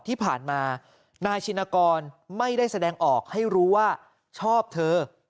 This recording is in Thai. ที่ผ่านมานายชินกรไม่ได้แสดงออกให้รู้ว่าชอบเธอ